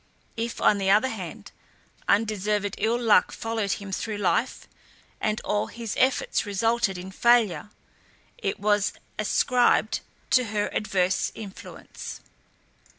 If, on the other hand, undeserved ill luck followed him through life, and all his efforts resulted in failure, it was ascribed to her adverse influence.